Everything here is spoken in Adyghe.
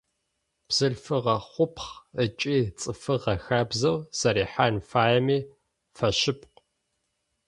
Бзылъфыгъэ хъупхъ ыкӏи цӏыфыгъэ хабзэу зэрихьэн фаеми фэшъыпкъ.